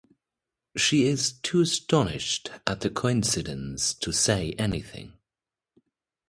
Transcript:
She’s too astonished at the coincidence to say anything.